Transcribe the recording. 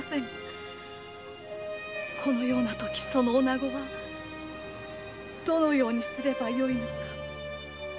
このような時その女ごはどのようにすればよいのか。